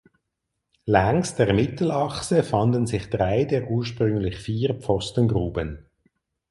Längs der Mittelachse fanden sich drei der ursprünglich vier Pfostengruben.